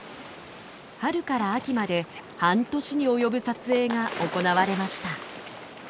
春から秋まで半年に及ぶ撮影が行われました。